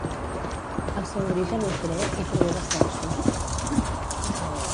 El seu origen és grec i prové de 'Celsus'.